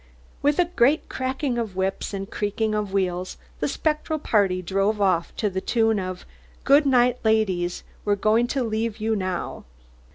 With a great cracking of whips and creaking of wheels the spectral party drove off, to the tune of "Good night, ladies, we're going to leave you now."